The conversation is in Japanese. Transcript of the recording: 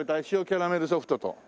塩キャラメルソフトと。